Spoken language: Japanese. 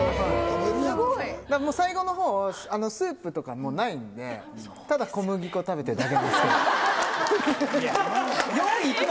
最後のほう、スープとか、もうないんで、ただ、小麦粉食べてるだけなんですけれども。